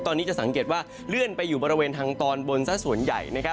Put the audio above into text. ตอนนี้จะสังเกตว่าเลื่อนไปอยู่บริเวณทางตอนบนซะส่วนใหญ่